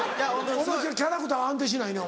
今日キャラクター安定しないね。